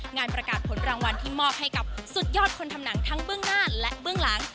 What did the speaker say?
งานประกาศผลรางวัลที่มอบให้กับสุดยอดคนทำหนังทั้งเบื้องหน้าและเบื้องหลัง